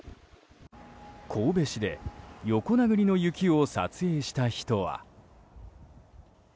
神戸市で横殴りの雪を撮影した人は。